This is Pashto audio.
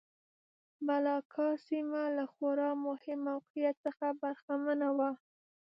ملاکا سیمه له خورا مهم موقعیت څخه برخمنه وه.